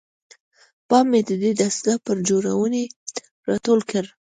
پام مې ددې دستګاه پر جوړونې راټول کړ.